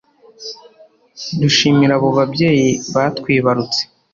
dushimira abo babyeyi batwibarutse